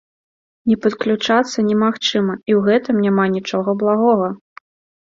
Не падключацца немагчыма, і ў гэтым няма нічога благога.